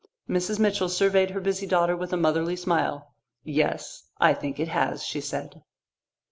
Mrs. Mitchell surveyed her busy daughter with a motherly smile. "Yes, I think it has," she said.